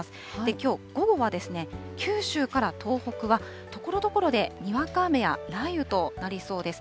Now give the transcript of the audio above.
きょう午後は、九州から東北はところどころでにわか雨や雷雨となりそうです。